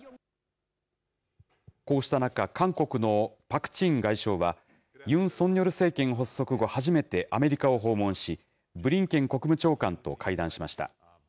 こうした中、韓国のパク・チン外相は、ユン・ソンニョル政権発足後初めてアメリカを訪問し、ブリンケン国務長官と会談しました。